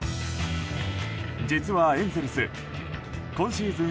実はエンゼルス今シーズン